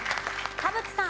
田渕さん。